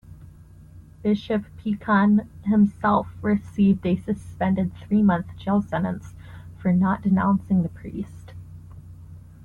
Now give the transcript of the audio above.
Bishop Pican himself received a suspended three-month jail sentence for not denouncing the priest.